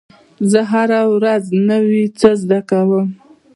زه هره ورځ نوی څه زده کوم.